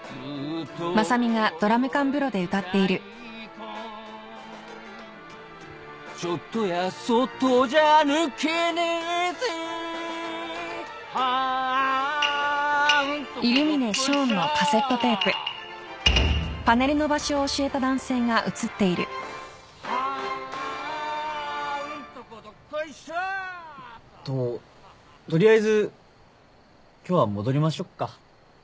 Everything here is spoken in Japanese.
とっ取りあえず今日は戻りましょっか。